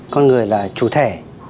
con người là chủ thể